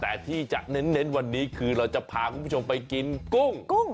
แต่ที่จะเน้นวันนี้คือเราจะพาคุณผู้ชมไปกินกุ้งกุ้ง